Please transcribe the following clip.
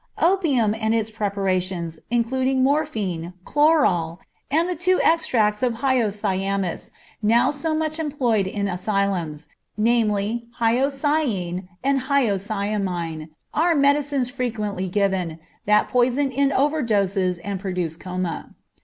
_ Opium and its preparations, including morphine, chloral, and the two extracts of hyoscyamus, now so much employed in asylums, namely, hyoscine and hyoscyamine, are medicines frequently given, that poison in over doses and produce coma.